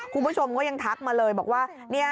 คุณผู้ชมก็ยังทักมาเลยบอกว่า